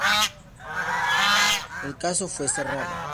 El caso fue cerrado.